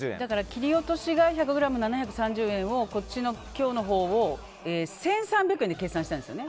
切り落としが１００ｇ７３０円をこっちの今日のほうを１３００円で計算したんですよ。